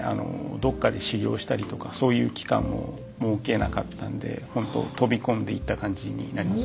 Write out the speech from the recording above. どっかで修業したりとかそういう期間も設けなかったんでほんと飛び込んでいった感じになります。